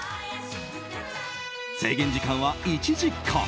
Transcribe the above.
制限時間は１時間